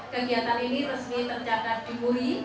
kegiatan ini resmi tercatat di muri